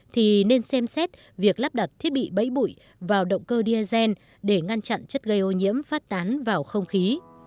thì nên xem xét việc lắp đặt thiết bị bẫy bụi vào động cơ diesel để ngăn chặn chất gây ô nhiễm phát tán vào không khí